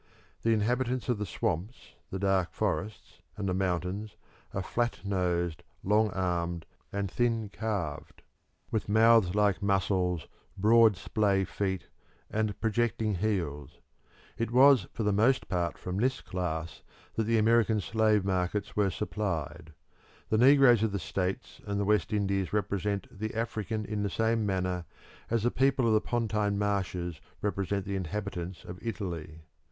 The inhabitants of the swamps, the dark forests and the mountains are flat nosed, long armed, and thin calved, with mouths like mussles, broad splay feet, and projecting heels. It was for the most part from this class that the American slave markets were supplied; the negroes of the States and the West Indies represent the African in the same manner as the people of the Pontine Marshes represent the inhabitants of Italy.